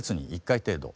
１回程度。